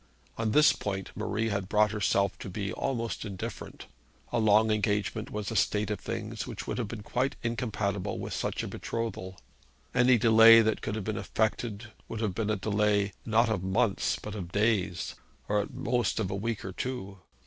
On this point Marie had brought herself to be almost indifferent. A long engagement was a state of things which would have been quite incompatible with such a betrothal. Any delay that could have been effected would have been a delay, not of months, but of days, or at most of a week or two.